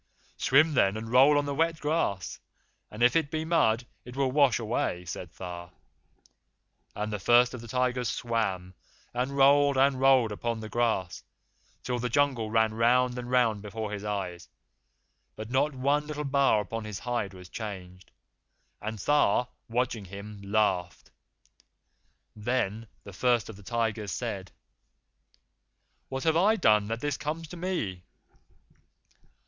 'Swim, then, and roll on the wet grass, and if it be mud it will wash away,' said Tha; and the First of the Tigers swam, and rolled and rolled upon the grass, till the Jungle ran round and round before his eyes, but not one little bar upon all his hide was changed, and Tha, watching him, laughed. Then the First of the Tigers said: 'What have I done that this comes to me?